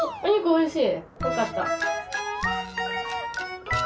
おいしい。